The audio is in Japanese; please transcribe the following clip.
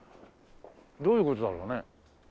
どういう事だろうね？